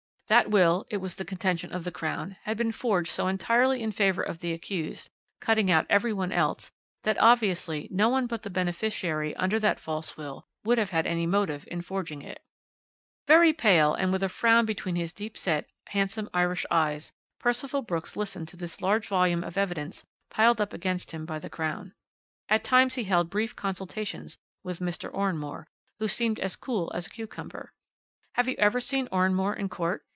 That will, it was the contention of the Crown, had been forged so entirely in favour of the accused, cutting out every one else, that obviously no one but the beneficiary under that false will would have had any motive in forging it. "Very pale, and with a frown between his deep set, handsome Irish eyes, Percival Brooks listened to this large volume of evidence piled up against him by the Crown. "At times he held brief consultations with Mr. Oranmore, who seemed as cool as a cucumber. Have you ever seen Oranmore in court?